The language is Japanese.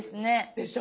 でしょ？